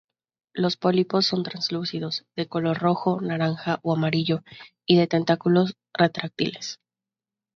Los pólipos son translúcidos, de color rojo, naranja o amarillo, y de tentáculos retráctiles.